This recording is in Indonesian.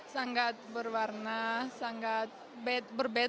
sangat berwarna sangat berbeda